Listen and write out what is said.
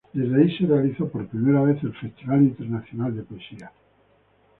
Desde ahí se realizó por primera vez, el Festival Internacional de Poesía.